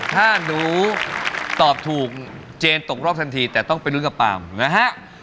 ถ้าหนูตอบถูกเจนตกรอบทันทีแต่ต้องไปลุ้นกับปาล์มนะฮะ